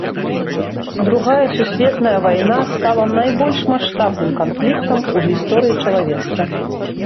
Другая сусветная вайна стала найбольш маштабным канфліктам у гісторыі чалавецтва.